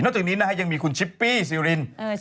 จากนี้นะฮะยังมีคุณชิปปี้ซีริน